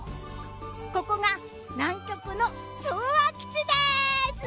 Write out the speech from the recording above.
ここが南極の昭和基地です。